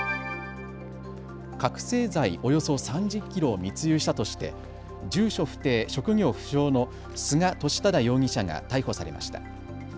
覚醒剤およそ３０キロを密輸したとして住所不定、職業不詳の菅利忠容疑者が逮捕されました。